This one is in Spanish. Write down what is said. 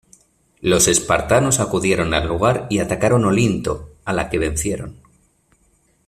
Los espartanos acudieron al lugar y atacaron Olinto, a la que vencieron.